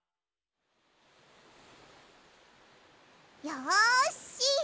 よし！